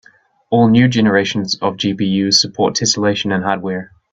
All new generations of GPUs support tesselation in hardware.